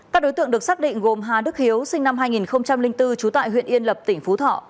các đối tượng được xác định gồm hà đức hiếu sinh năm hai nghìn bốn trú tại huyện yên lập tỉnh phú thọ